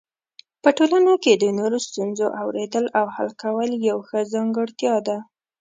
په ټولنه کې د نورو ستونزو اورېدل او حل کول یو ښه ځانګړتیا ده.